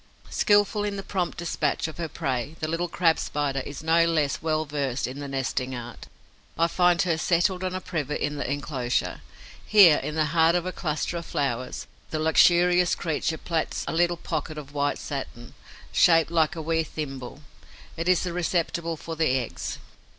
Skilful in the prompt despatch of her prey, the little Crab Spider is no less well versed in the nesting art. I find her settled on a privet in the enclosure. Here, in the heart of a cluster of flowers, the luxurious creature plaits a little pocket of white satin, shaped like a wee thimble. It is the receptacle for the eggs.